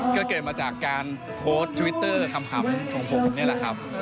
ก็เกิดมาจากการโพสต์ทวิตเตอร์ขำของผมนี่แหละครับ